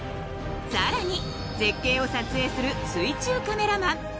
［さらに絶景を撮影する水中カメラマン］